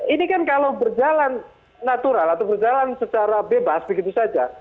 ini kan kalau berjalan natural atau berjalan secara bebas begitu saja